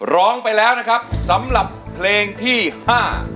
ร้องไปแล้วนะครับสำหรับเพลงที่ห้า